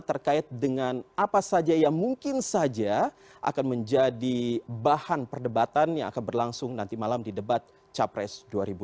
terkait dengan apa saja yang mungkin saja akan menjadi bahan perdebatan yang akan berlangsung nanti malam di debat capres dua ribu sembilan belas